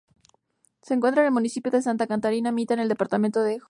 Se encuentra en el municipio de Santa Catarina Mita en el departamento de Jutiapa.